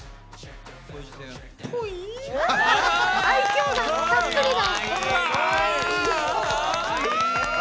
愛きょうがたっぷりな。